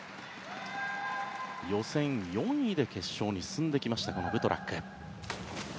予選４位で決勝に進んできましたブトラック。